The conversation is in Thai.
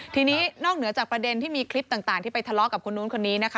ทีนี้นอกเหนือจากประเด็นที่มีคลิปต่างที่ไปทะเลาะกับคนนู้นคนนี้นะคะ